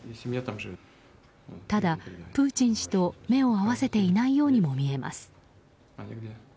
ただ、プーチン氏と目を合わせていないようにも見えます。